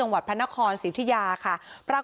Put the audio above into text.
บรรยากาศนะคะ